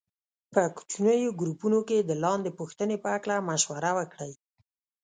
په کوچنیو ګروپونو کې د لاندې پوښتنې په هکله مشوره وکړئ.